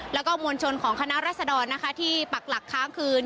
แล้วก็มวลชนของคณะรัศดรนะคะที่ปักหลักค้างคืน